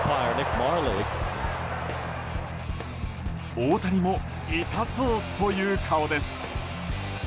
大谷も痛そうという顔です。